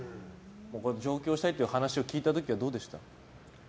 上京したいという話を聞いた時はどうでしたか？